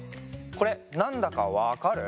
これなんだかわかる？